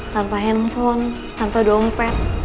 tanpa handphone tanpa dompet